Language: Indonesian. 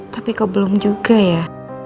tapi kau belum juga ya